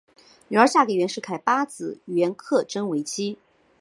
女儿嫁给袁世凯八子袁克轸为妻。